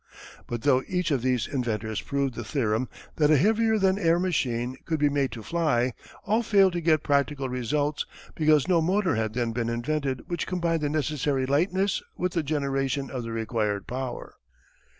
But though each of these inventors proved the theorem that a heavier than air machine could be made to fly, all failed to get practical results because no motor had then been invented which combined the necessary lightness with the generation of the required power.